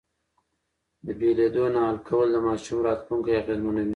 د بېلېدو نه حل کول د ماشوم راتلونکی اغېزمنوي.